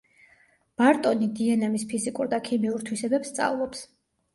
ბარტონი დნმ-ის ფიზიკურ და ქიმიურ თვისებებს სწავლობს.